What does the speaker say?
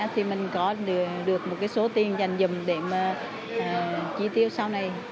thì mình có được một số tiền dành dùm để mà chi tiêu sau này